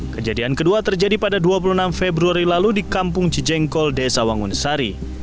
kejadian kedua terjadi pada dua puluh enam februari lalu di kampung cijengkol desa wangun sari